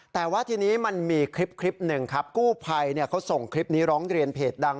แต่ว่าทีนี้มันมีคลิปหนึ่งครับกู้ภัยเขาส่งคลิปนี้ร้องเรียนเพจดัง